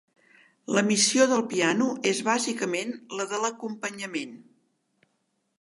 La missió del piano és bàsicament la de l'acompanyament.